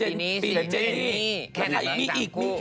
เนี้ยเนี้ยเนี้ย